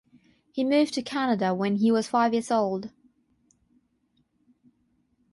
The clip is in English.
He moved to Canada when he was five years old.